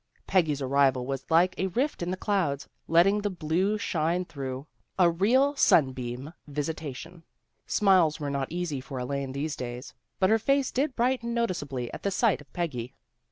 Peggy's arrival was like a rift in the clouds, letting the blue shine through, a real sunbeam visitation. Smiles were not easy for Elaine these days, but her face did brighten noticeably at the sight of Peggy.